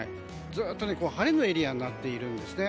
ずっと晴れのエリアになっているんですね。